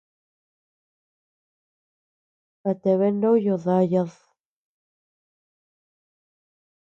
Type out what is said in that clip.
¿A tabea ndoyo dayad?